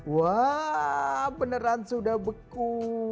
wah beneran sudah beku